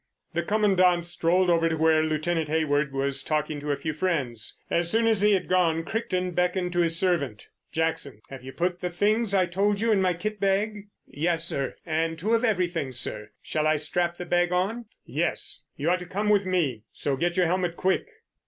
The Commandant strolled over to where Lieutenant Hayward was talking to a few friends. As soon as he had gone, Crichton beckoned to his servant. "Jackson, have you put the things I told you in my kit bag?" "Yes, sir, and two of everything, sir. Shall I strap the bag on?" "Yes, and you are to come with me; so get your helmet, quick."